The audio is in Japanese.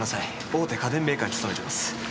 大手家電メーカーに勤めてます。